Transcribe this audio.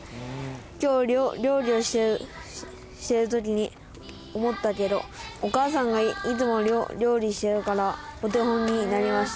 「今日料理をしてるときに思ったけどお母さんがいつも料理してるからお手本になりました」